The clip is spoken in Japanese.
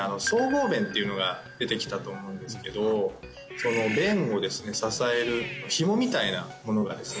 僧帽弁というのが出てきたと思うんですけど弁をですね支えるひもみたいなものがですね